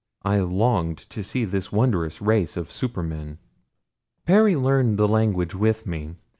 I longed to see this wondrous race of supermen. Perry learned the language with me.